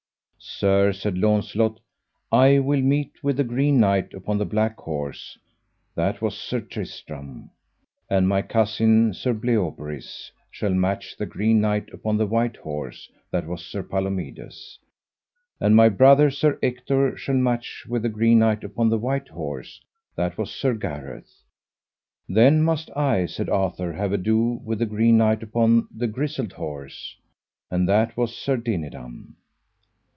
Sir, said Launcelot, I will meet with the green knight upon the black horse, that was Sir Tristram; and my cousin Sir Bleoberis shall match the green knight upon the white horse, that was Sir Palomides; and my brother Sir Ector shall match with the green knight upon the white horse, that was Sir Gareth. Then must I, said Sir Arthur, have ado with the green knight upon the grisled horse, and that was Sir Dinadan.